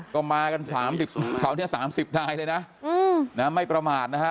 ก็มากัน๓๐คราวนี้๓๐นายเลยนะไม่ประมาทนะฮะ